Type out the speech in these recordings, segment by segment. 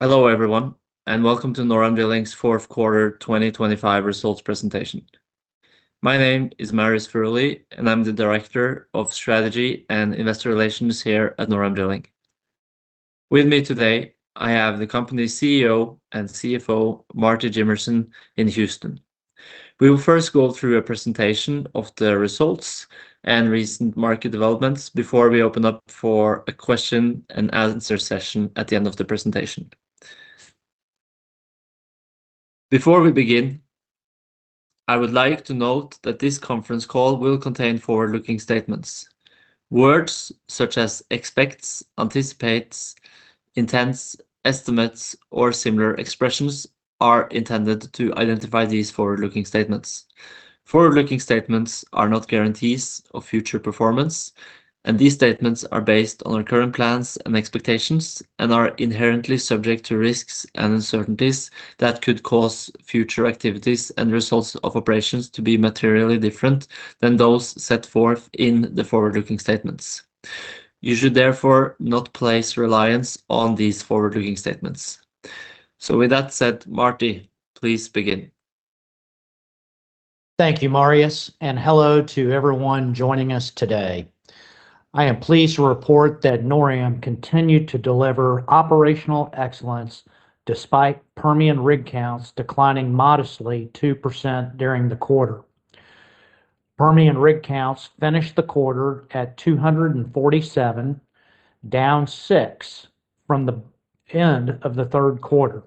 Hello, everyone, and welcome to NorAm Drilling's fourth quarter 2025 results presentation. My name is Marius Furuly, and I'm the Director of Strategy and Investor Relations here at NorAm Drilling. With me today, I have the company's CEO and CFO, Marty Jimmerson, in Houston. We will first go through a presentation of the results and recent market developments before we open up for a question and answer session at the end of the presentation. Before we begin, I would like to note that this conference call will contain forward-looking statements. Words such as expects, anticipates, intends, estimates, or similar expressions are intended to identify these forward-looking statements. Forward-looking statements are not guarantees of future performance, and these statements are based on our current plans and expectations and are inherently subject to risks and uncertainties that could cause future activities and results of operations to be materially different than those set forth in the forward-looking statements. You should therefore not place reliance on these forward-looking statements. So with that said, Marty, please begin. Thank you, Marius, and hello to everyone joining us today. I am pleased to report that NorAm continued to deliver operational excellence despite Permian rig counts declining modestly 2% during the quarter. Permian rig counts finished the quarter at 247, down 6 from the end of the third quarter.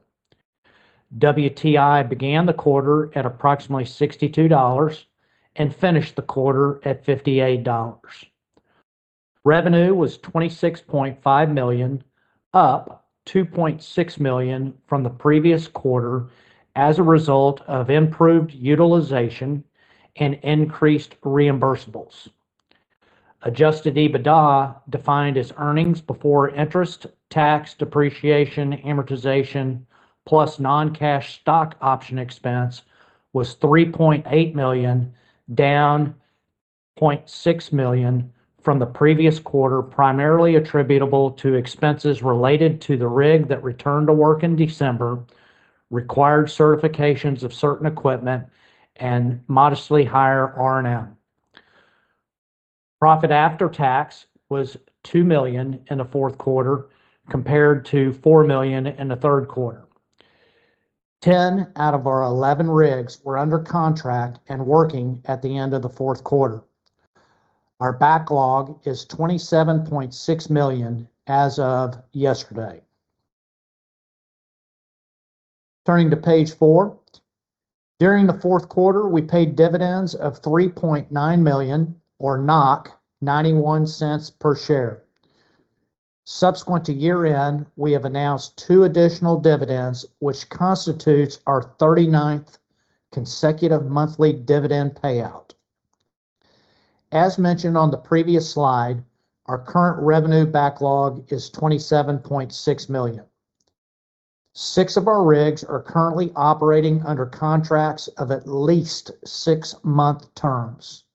WTI began the quarter at approximately $62 and finished the quarter at $58. Revenue was $26.5 million, up $2.6 million from the previous quarter as a result of improved utilization and increased reimbursables. Adjusted EBITDA, defined as earnings before interest, tax, depreciation, amortization, plus non-cash stock option expense, was $3.8 million, down $0.6 million from the previous quarter, primarily attributable to expenses related to the rig that returned to work in December, required certifications of certain equipment, and modestly higher R&M. Profit after tax was 2 million in the fourth quarter, compared to 4 million in the third quarter. 10 out of our 11 rigs were under contract and working at the end of the fourth quarter. Our backlog is $27.6 million as of yesterday. Turning to page four. During the fourth quarter, we paid dividends of 3.9 million, or 0.91 per share. Subsequent to year-end, we have announced two additional dividends, which constitutes our 39th consecutive monthly dividend payout. As mentioned on the previous slide, our current revenue backlog is $27.6 million. Six of our rigs are currently operating under contracts of at least 6-month terms.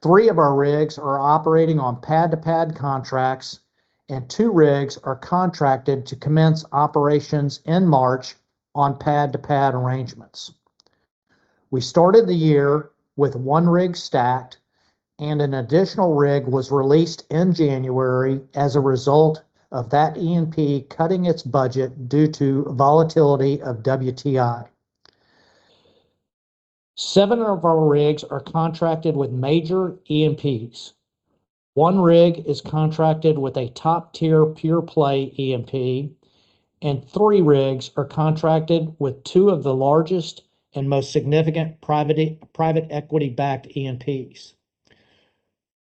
3 of our rigs are operating on pad-to-pad contracts, and 2 rigs are contracted to commence operations in March on pad-to-pad arrangements. We started the year with one rig stacked, and an additional rig was released in January as a result of that E&P cutting its budget due to volatility of WTI. Seven of our rigs are contracted with major E&Ps. One rig is contracted with a top-tier pure-play E&P, and three rigs are contracted with two of the largest and most significant private equity-backed E&Ps.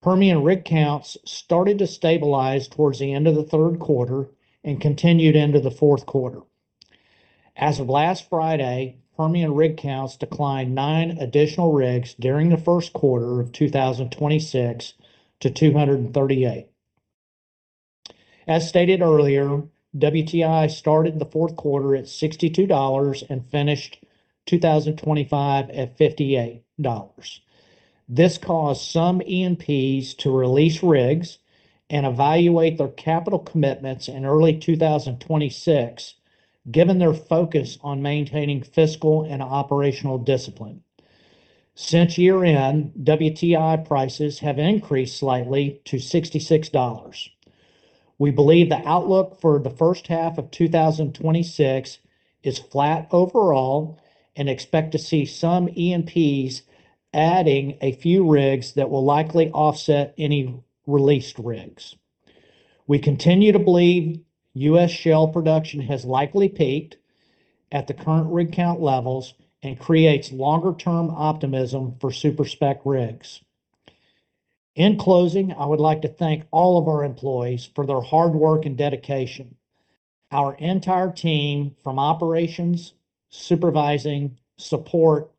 Permian rig counts started to stabilize towards the end of the third quarter and continued into the fourth quarter. As of last Friday, Permian rig counts declined nine additional rigs during the first quarter of 2026 to 238. As stated earlier, WTI started the fourth quarter at $62 and finished 2025 at $58. This caused some E&Ps to release rigs and evaluate their capital commitments in early 2026, given their focus on maintaining fiscal and operational discipline. Since year-end, WTI prices have increased slightly to $66. We believe the outlook for the first half of 2026 is flat overall and expect to see some E&Ps adding a few rigs that will likely offset any released rigs. We continue to believe U.S. shale production has likely peaked at the current rig count levels and creates longer-term optimism for Super Spec rigs. In closing, I would like to thank all of our employees for their hard work and dedication. Our entire team from operations, supervising, support,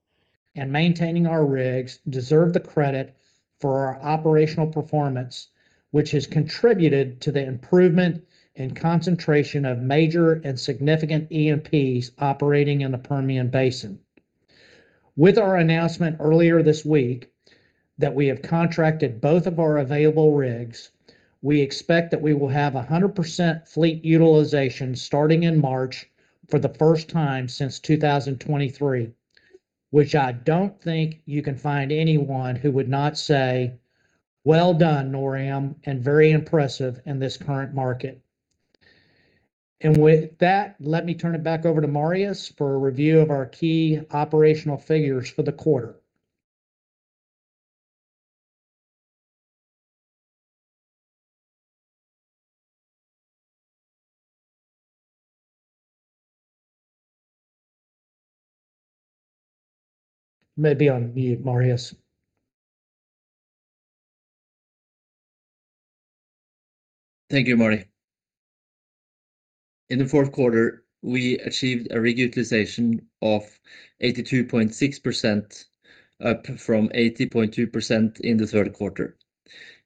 and maintaining our rigs deserve the credit for our operational performance, which has contributed to the improvement and concentration of major and significant E&Ps operating in the Permian Basin. With our announcement earlier this week that we have contracted both of our available rigs, we expect that we will have 100% fleet utilization starting in March for the first time since 2023, which I don't think you can find anyone who would not say, "Well done, NorAm, and very impressive in this current market." And with that, let me turn it back over to Marius for a review of our key operational figures for the quarter. Maybe on you, Marius. Thank you, Marty. In the fourth quarter, we achieved a rig utilization of 82.6%, up from 80.2% in the third quarter.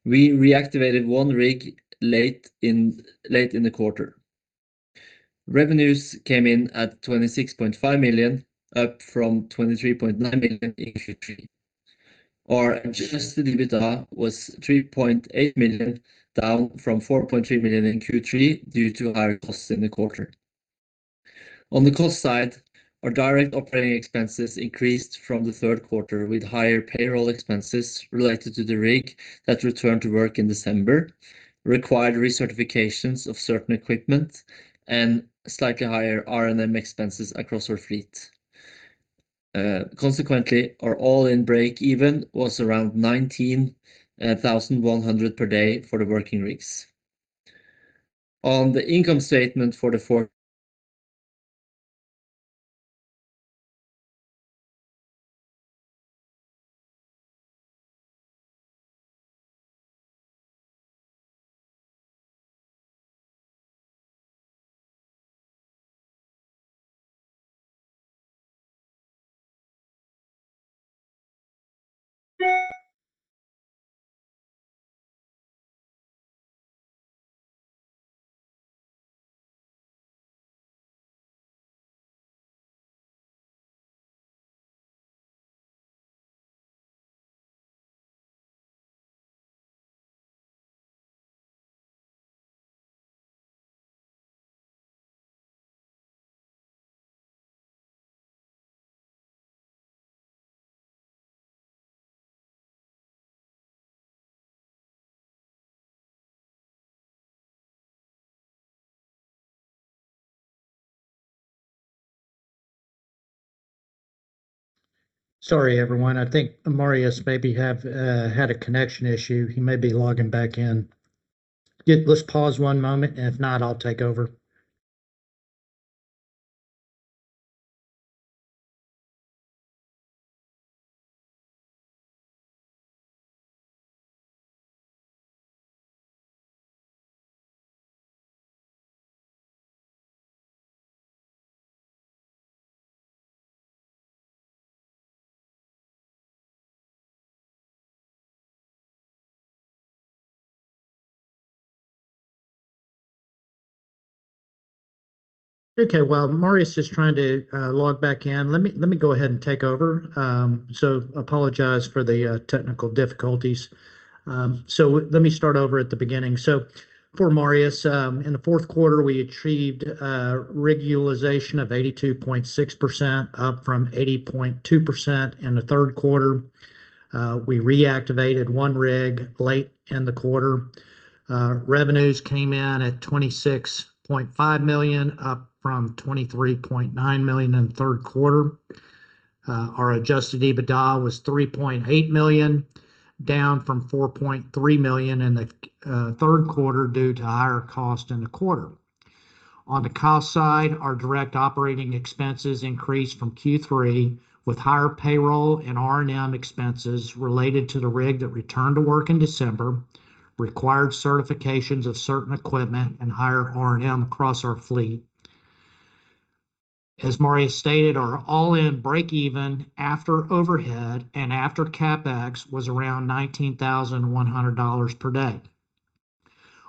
We reactivated one rig late in the quarter. Revenues came in at $26.5 million, up from $23.9 million in Q3. Our adjusted EBITDA was $3.8 million, down from $4.3 million in Q3 due to higher costs in the quarter. On the cost side, our direct operating expenses increased from the third quarter, with higher payroll expenses related to the rig that returned to work in December, required recertifications of certain equipment, and slightly higher R&M expenses across our fleet. Consequently, our all-in breakeven was around 19,100 per day for the working rigs. On the income statement for the fourth- Sorry, everyone. I think Marius may have had a connection issue. He may be logging back in. Let's pause one moment, and if not, I'll take over. Okay, while Marius is trying to log back in, let me go ahead and take over. So apologize for the technical difficulties. So let me start over at the beginning. So for Marius, in the fourth quarter, we achieved a rig utilization of 82.6%, up from 80.2% in the third quarter. We reactivated one rig late in the quarter. Revenues came in at $26.5 million, up from $23.9 million in the third quarter. Our adjusted EBITDA was $3.8 million, down from $4.3 million in the third quarter due to higher cost in the quarter. On the cost side, our direct operating expenses increased from Q3, with higher payroll and R&M expenses related to the rig that returned to work in December, required certifications of certain equipment, and higher R&M across our fleet. As Marius stated, our all-in breakeven after overhead and after CapEx was around $19,100 per day.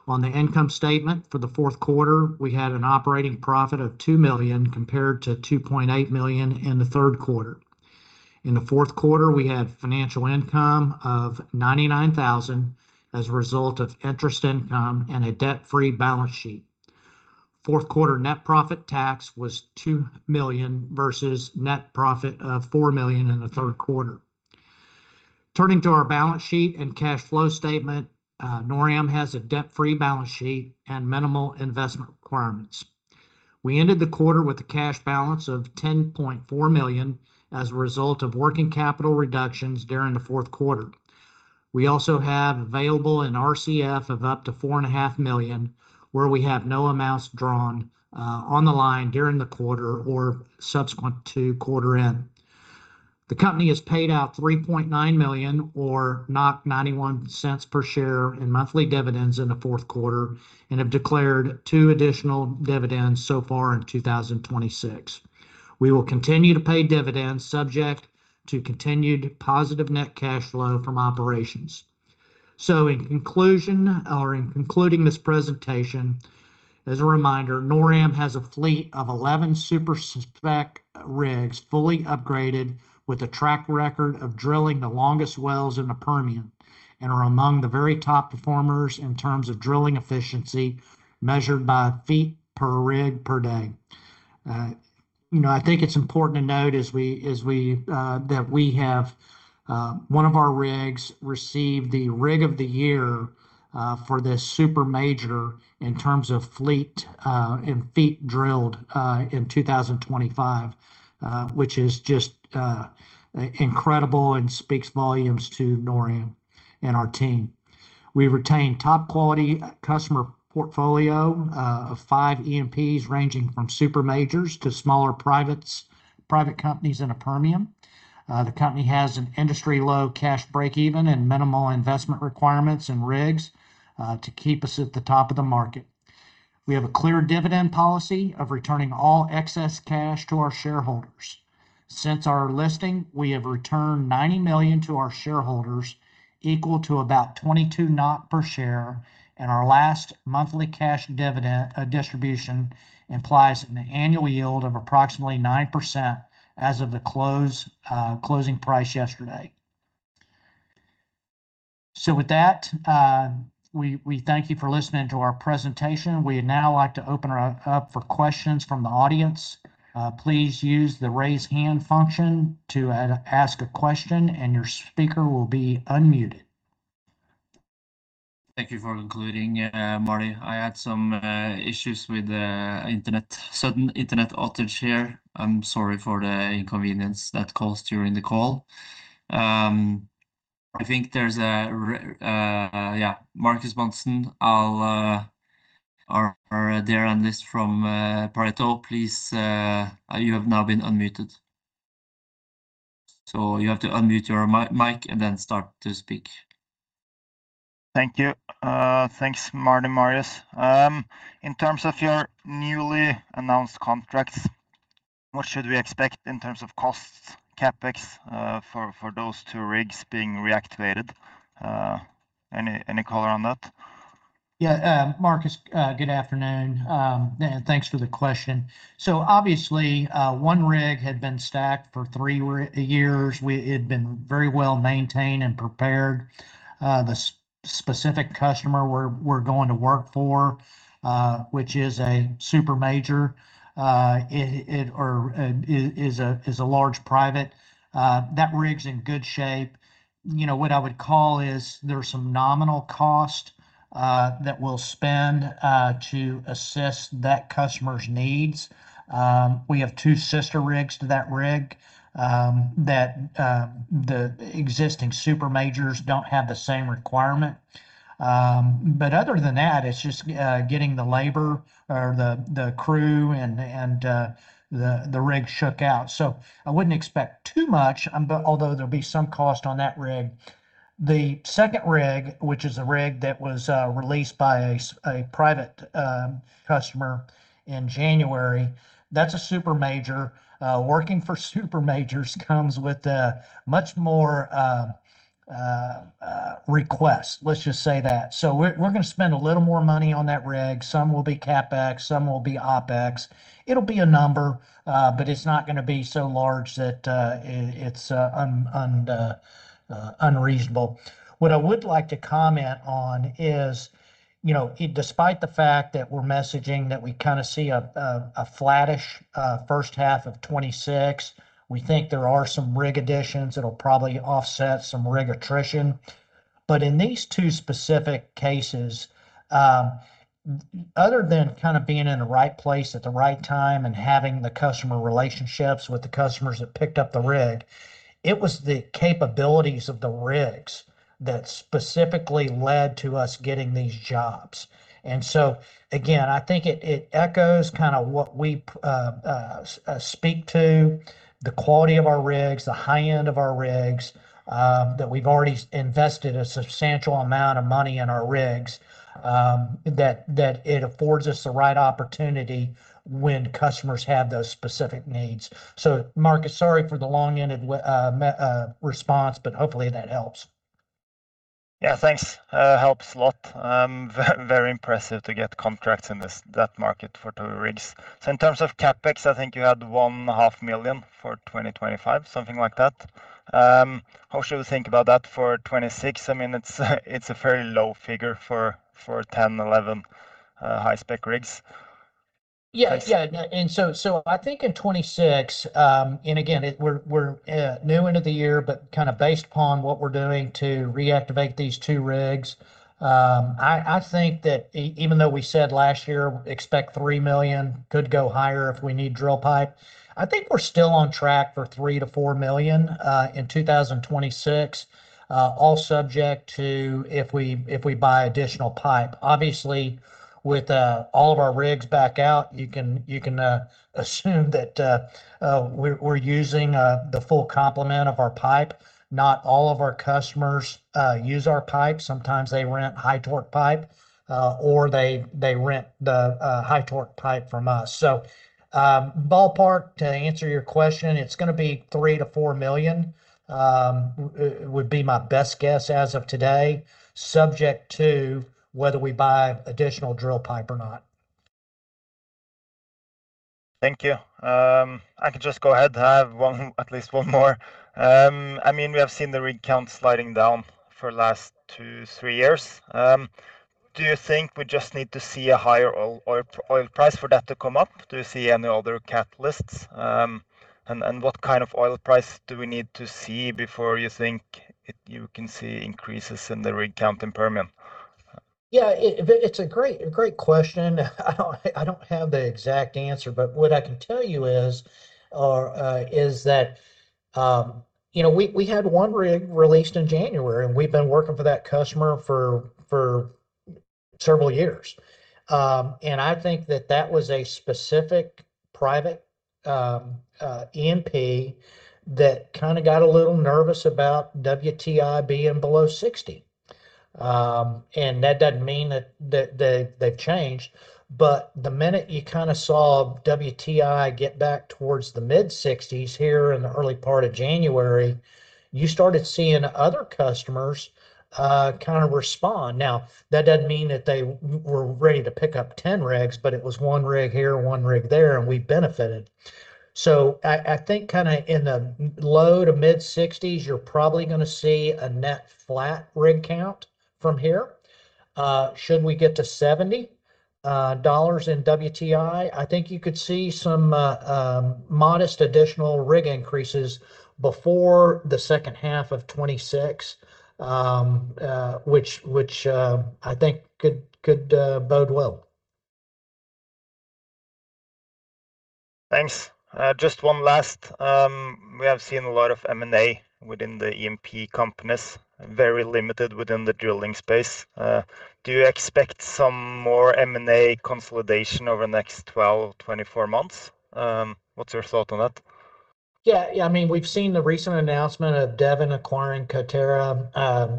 On the income statement for the fourth quarter, we had an operating profit of $2 million, compared to $2.8 million in the third quarter. In the fourth quarter, we had financial income of $99,000 as a result of interest income and a debt-free balance sheet. Fourth quarter net profit tax was $2 million versus net profit of $4 million in the third quarter. Turning to our balance sheet and cash flow statement, NorAm has a debt-free balance sheet and minimal investment requirements. We ended the quarter with a cash balance of $10.4 million as a result of working capital reductions during the fourth quarter. We also have available an RCF of up to $4.5 million, where we have no amounts drawn on the line during the quarter or subsequent to quarter end. The company has paid out 3.9 million NOK or 0.91 NOK per share in monthly dividends in the fourth quarter and have declared two additional dividends so far in 2026. We will continue to pay dividends subject to continued positive net cash flow from operations.... So in conclusion or in concluding this presentation as a reminder, NorAm has a fleet of 11 Super Spec rigs, fully upgraded with a track record of drilling the longest wells in the Permian, and are among the very top performers in terms of drilling efficiency measured by feet per rig, per day. You know, I think it's important to note as we, as we, that we have, one of our rigs received the Rig of the Year, for this Supermajor in terms of fleet, and feet drilled, in 2025. Which is just, incredible and speaks volumes to NorAm and our team. We retain top quality customer portfolio, of five E&Ps, ranging from Supermajors to smaller privates, private companies in the Permian. The company has an industry-low cash breakeven and minimal investment requirements and rigs to keep us at the top of the market. We have a clear dividend policy of returning all excess cash to our shareholders. Since our listing, we have returned $90 million to our shareholders, equal to about 22.0 per share, and our last monthly cash dividend distribution implies an annual yield of approximately 9% as of the closing price yesterday. With that, we thank you for listening to our presentation. We'd now like to open her up for questions from the audience. Please use the Raise Hand function to ask a question, and your speaker will be unmuted. Thank you for concluding, Marty. I had some issues with the internet, sudden internet outage here. I'm sorry for the inconvenience that caused during the call. Marcus Monsen from Pareto, are you there? Please, you have now been unmuted. So you have to unmute your mic and then start to speak. Thank you. Thanks, Marty and Marius. In terms of your newly announced contracts, what should we expect in terms of costs, CapEx, for those two rigs being reactivated? Any color on that? Yeah, Marcus, good afternoon, and thanks for the question. So obviously, one rig had been stacked for three years. It had been very well maintained and prepared. The specific customer we're going to work for, which is a Supermajor, or is a large private, that rig's in good shape. You know, what I would call is there's some nominal cost that we'll spend to assist that customer's needs. We have two sister rigs to that rig, that the existing Supermajors don't have the same requirement. But other than that, it's just getting the labor or the crew and the rig shook out. So I wouldn't expect too much, but although there'll be some cost on that rig. The second rig, which is a rig that was released by a private customer in January, that's a Supermajor. Working for Supermajors comes with much more request. Let's just say that. So we're gonna spend a little more money on that rig. Some will be CapEx, some will be OpEx. It'll be a number, but it's not gonna be so large that it's unreasonable. What I would like to comment on is, you know, despite the fact that we're messaging that we kinda see a flattish first half of 2026, we think there are some rig additions that'll probably offset some rig attrition. But in these two specific cases, other than kind of being in the right place at the right time and having the customer relationships with the customers that picked up the rig, it was the capabilities of the rigs that specifically led to us getting these jobs. And so again, I think it echoes kind of what we speak to, the quality of our rigs, the high end of our rigs, that we've already invested a substantial amount of money in our rigs. That it affords us the right opportunity when customers have those specific needs. So, Marius, sorry for the long-winded, meandering response, but hopefully that helps. Yeah, thanks. Helps a lot. Very impressive to get contracts in that market for two rigs. So in terms of CapEx, I think you had $500,000 for 2025, something like that. How should we think about that for 2026? I mean, it's a very low figure for 10, 11 high-spec rigs. Yeah, yeah. So I think in 2026, and again, we're new into the year, but kind of based upon what we're doing to reactivate these two rigs, I think that even though we said last year, expect $3 million, could go higher if we need drill pipe, I think we're still on track for $3-$4 million in 2026. All subject to, if we buy additional pipe. Obviously, with all of our rigs back out, you can assume that we're using the full complement of our pipe. Not all of our customers use our pipe. Sometimes they rent high torque pipe, or they rent the high torque pipe from us. Ballpark, to answer your question, it's gonna be $3 million-$4 million, would be my best guess as of today, subject to whether we buy additional drill pipe or not.... Thank you. I can just go ahead. I have one, at least one more. I mean, we have seen the rig count sliding down for the last 2-3 years. Do you think we just need to see a higher oil price for that to come up? Do you see any other catalysts? And what kind of oil price do we need to see before you think it, you can see increases in the rig count in Permian? Yeah, it's a great question and I don't have the exact answer, but what I can tell you is that, you know, we had one rig released in January, and we've been working for that customer for several years. And I think that was a specific private E&P that kind of got a little nervous about WTI being below 60. And that doesn't mean that they, they've changed, but the minute you kind of saw WTI get back towards the mid-60s here in the early part of January, you started seeing other customers kind of respond. Now, that doesn't mean that they were ready to pick up 10 rigs, but it was one rig here, one rig there, and we benefited. So I think kind of in the low-to-mid-60s, you're probably gonna see a net flat rig count from here. Should we get to $70 in WTI, I think you could see some modest additional rig increases before the second half of 2026, which I think could bode well. Thanks. Just one last. We have seen a lot of M&A within the E&P companies, very limited within the drilling space. Do you expect some more M&A consolidation over the next 12, 24 months? What's your thought on that? Yeah. Yeah, I mean, we've seen the recent announcement of Devon acquiring Coterra,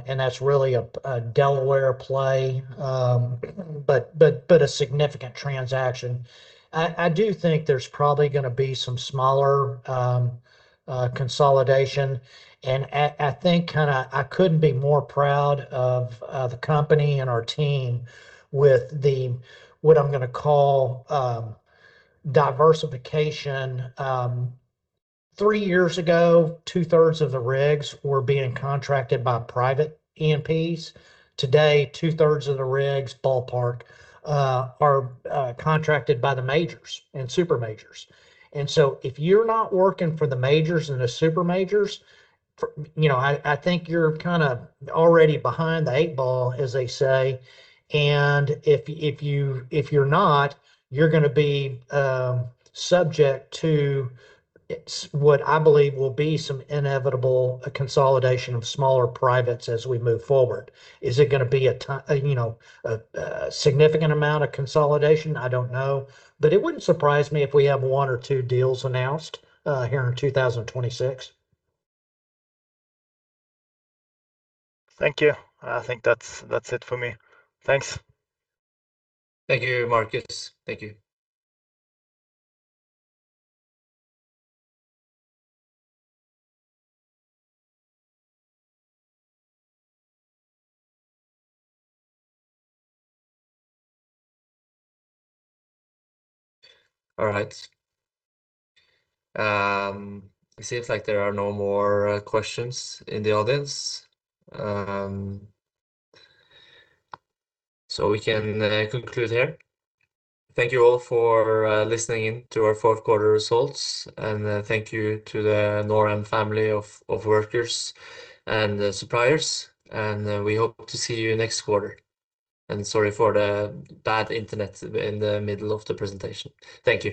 and that's really a Delaware play, but a significant transaction. I do think there's probably gonna be some smaller consolidation, and I think kind of... I couldn't be more proud of the company and our team with the, what I'm gonna call, diversification. Three years ago, two-thirds of the rigs were being contracted by private E&Ps. Today, two-thirds of the rigs, ballpark, are contracted by the majors and Supermajors. And so if you're not working for the majors and the Supermajors, I think you're kind of already behind the eight ball, as they say. If you're not, you're gonna be subject to what I believe will be some inevitable consolidation of smaller privates as we move forward. Is it gonna be a, you know, a significant amount of consolidation? I don't know. But it wouldn't surprise me if we have one or two deals announced here in 2026. Thank you, and I think that's, that's it for me. Thanks. Thank you, Marcus. Thank you. All right. It seems like there are no more questions in the audience, so we can conclude here. Thank you all for listening in to our fourth quarter results, and thank you to the NorAm family of workers and the suppliers, and we hope to see you next quarter. And sorry for the bad internet in the middle of the presentation. Thank you.